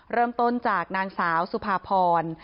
เริ่มต้นจากนางสาวสุภาพร